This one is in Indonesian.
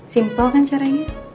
simple kan caranya